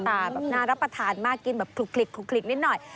แบบน่ารับประทานมากกินแบบคลุกนิดหน่อย